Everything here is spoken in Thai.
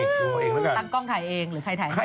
ตั้งกล้องถ่ายเองหรือใครถ่ายให้